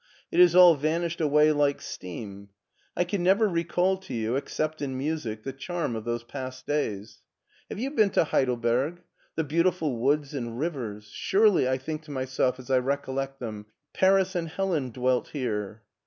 It is all vanished away like steam. I can never recall to you, except in music, the charm of those past days! n LEIPSIC lag Have you been to Heidelberg? The beautiful woods and rivers 1 Surely, I think to myself as I recollect them, Paris and Helen dwelt here